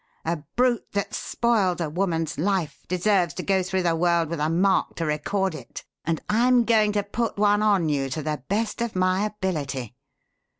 A brute that spoils a woman's life deserves to go through the world with a mark to record it, and I'm going to put one on you to the best of my ability.